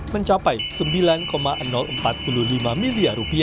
mencapai rp sembilan empat puluh lima miliar